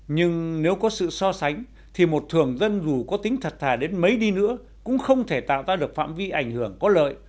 nhưng nếu có sự so sánh thì một thường dân dù có tính thật thà đến mấy đi nữa cũng không thể tạo ra được phạm vi ảnh hưởng có lợi